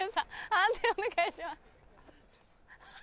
判定お願いします。